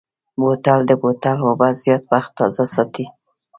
بوتل د بوتل اوبه زیات وخت تازه ساتي.